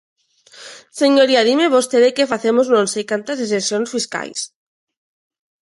Señoría, dime vostede que facemos non sei cantas exencións fiscais.